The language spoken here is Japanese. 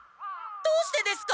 どうしてですか？